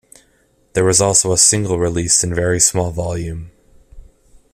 There was also a single released in very small volume.